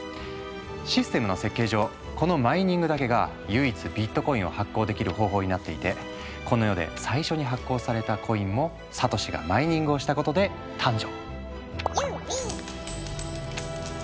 システムの設計上このマイニングだけが唯一ビットコインを発行できる方法になっていてこの世で最初に発行されたコインもサトシがマイニングをしたことで誕生。